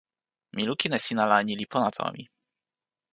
mi lukin e sina la ni li pona tawa mi.